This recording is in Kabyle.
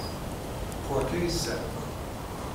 Teqwa Kaysa.